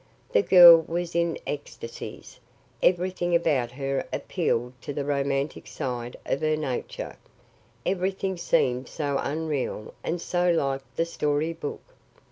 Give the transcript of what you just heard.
The girl was in ecstasies. Everything about her appealed to the romantic side of her nature; everything seemed so unreal and so like the storybook.